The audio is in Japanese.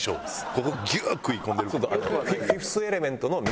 ここギューッ食い込んでる。